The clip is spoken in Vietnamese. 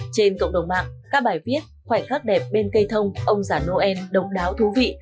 trên cộng đồng mạng các bài viết khoảnh khắc đẹp bên cây thông ông giả noel độc đáo thú vị